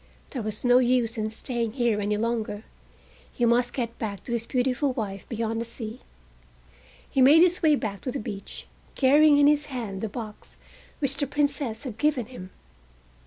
There was no use in staying here any longer. He must get back to his beautiful wife beyond the sea. He made his way back to the beach, carrying in his hand the box which the Princess had given him.